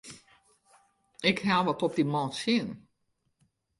Ik haw wat op dy man tsjin.